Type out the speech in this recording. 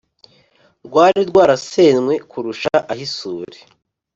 rwari rwarasenywe kurusha ah’isuri